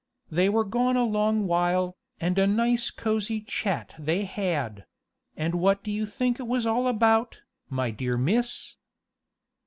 They were gone a long while, and a nice cosy chat they had; and what do you think it was all about, my dear miss?